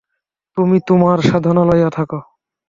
তুমি তোমার সাধনা লইয়া থাক।